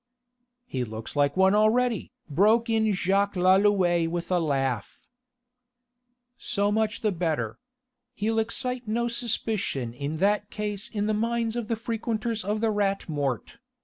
"He looks like one already," broke in Jacques Lalouët with a laugh. "So much the better. He'll excite no suspicion in that case in the minds of the frequenters of the Rat Mort.